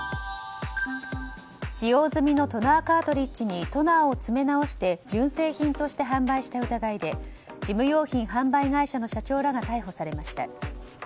使用済みのトナーカートリッジにトナーを詰め直して純正品として販売した疑いで事務用品販売会社の社長らが逮捕されました。